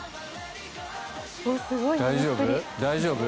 大丈夫？